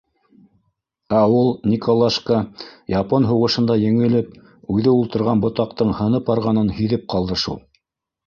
— Ә ул Николашка, япон һуғышында еңелеп, үҙе ултырған ботаҡтың һынып барғанын һиҙеп ҡалды шул.